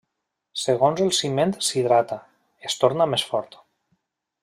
Segons el ciment s'hidrata, es torna més fort.